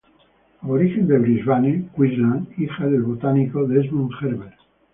Aborigen de Brisbane, Queensland, hija del botánico Desmond Herbert.